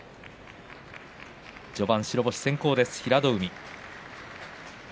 序盤、白星先行、平戸海。